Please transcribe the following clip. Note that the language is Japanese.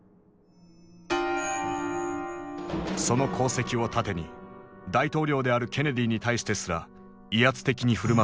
その功績を盾に大統領であるケネディに対してすら威圧的に振る舞っていた。